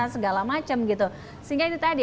segala macam gitu sehingga itu tadi